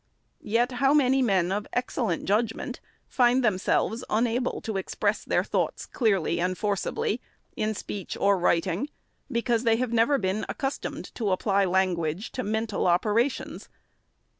Yet how many men of excellent judgment find themselves unable to express their thoughts clearly and forcibly, in speech or writing, because they have never been accustomed to apply language to mental operations.